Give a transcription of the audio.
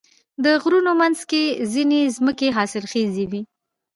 د غرونو منځ کې ځینې ځمکې حاصلخیزې وي.